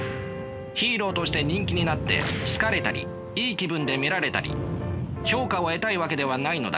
ヒーローとして人気になって好かれたりいい気分で見られたり評価を得たいわけではないのだから。